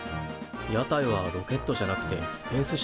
屋台はロケットじゃなくてスペースシャトルだぞ。